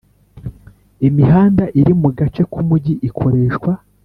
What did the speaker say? imihanda iri mu gace k Umujyi ikoreshwa